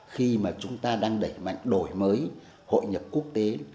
khi mà chúng ta đang đẩy mạnh đổi mới hội nhập quốc tế